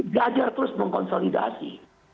belajar terus mengkonsolidasi